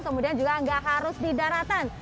kemudian juga nggak harus di daratan